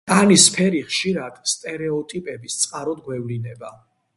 კანის ფერი ხშირად სტერეოტიპების წყაროდ გვევლინება.